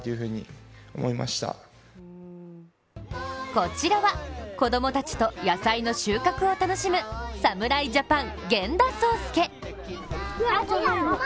こちらは、子供たちと野球の収穫を楽しむ侍ジャパン・源田壮亮。